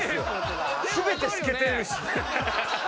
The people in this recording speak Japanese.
全て透けてるし。